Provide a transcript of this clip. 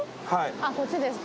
あっこっちですか。